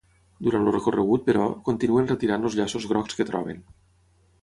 Durant el recorregut, però, continuen retirant els llaços grocs que troben.